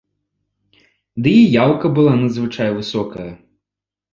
Ды і яўка была надзвычай высокая.